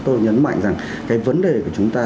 tôi nhấn mạnh rằng cái vấn đề của chúng ta